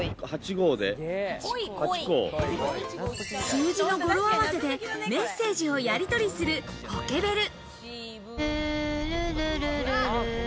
数字の語呂合わせでメッセージをやりとりするポケベル。